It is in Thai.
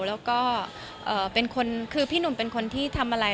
แล้วก็เป็นคนคือพี่หนุ่มเป็นคนที่ทำอะไร